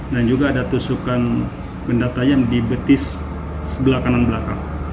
dan juga ada tusukan benda tajam di betis sebelah kanan belakang